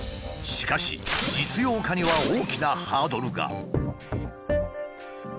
しかし実用化には大きなハードルが。